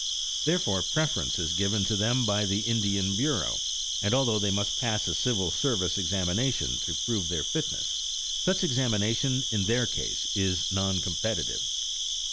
Therefore preference is given them by the Indian Bureau, and although they must pass a civil service examination to prove their fitness, such examination, in their case, is non competitive.